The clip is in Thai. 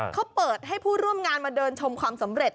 เขาเปิดให้ผู้ร่วมงานมาเดินชมความสำเร็จ